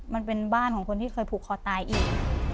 มันเป็นบ้านของคนที่เคยผูกคอตายอีก